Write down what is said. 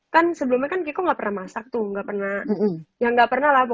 masaknya sekarang kegiatan kalo udah sampe